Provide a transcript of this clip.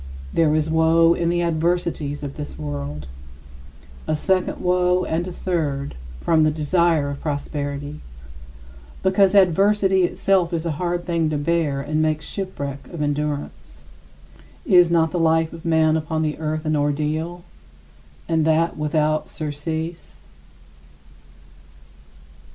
There is woe in the adversities of this world a second woe, and a third, from the desire of prosperity because adversity itself is a hard thing to bear and makes shipwreck of endurance. Is not the life of man upon the earth an ordeal, and that without surcease?